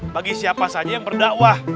bagi siapa saja yang berdakwah